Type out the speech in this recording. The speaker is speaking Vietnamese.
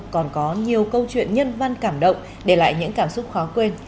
còn có nhiều câu chuyện nhân văn cảm động để lại những cảm xúc khó quên